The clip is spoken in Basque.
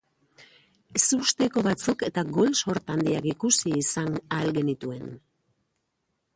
Ezusteko batzuk eta gol sorta handiak ikusi izan ahal genituen.